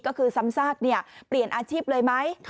ก็คือซ้ำซากเปลี่ยนอาชีพเลยไหม